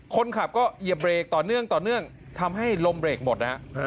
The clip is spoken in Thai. คนขับก็เยี่ยมเบร๊กต่อเนื่องทำให้ลมเบร๊กหมดนะ